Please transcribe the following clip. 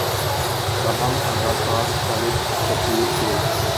تاہم اداکار شاہد کپور کے